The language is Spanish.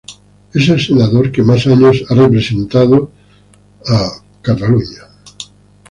Es el senador que más años ha representado a Kentucky.